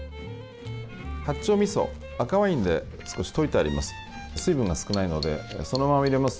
八丁みそを赤ワインで少し溶いてあります。